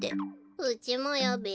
うちもよべ。